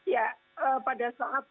ya pada saat